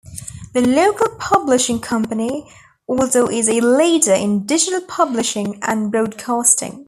The local publishing company also is a leader in digital publishing and broadcasting.